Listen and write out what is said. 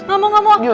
gak mau gak mau